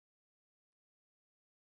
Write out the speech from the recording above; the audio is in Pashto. چې پالونکی او روزونکی د تمامو مخلوقاتو دی